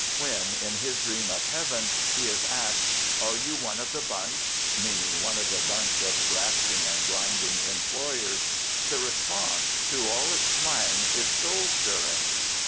When, in his dream of Heaven, he is asked: "Are you one of the bunch?" (meaning one of the bunch of grasping and grinding employers), the response, through all its slang, is soul stirring.